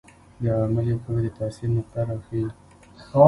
د عاملې قوې د تاثیر نقطه راښيي.